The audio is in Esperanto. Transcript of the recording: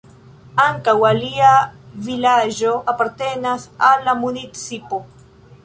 Ankaŭ alia vilaĝo apartenas al la municipo.